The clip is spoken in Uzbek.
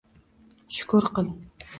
Shukr qil.